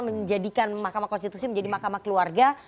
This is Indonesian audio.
menjadikan mahkamah konstitusi menjadi mahkamah keluarga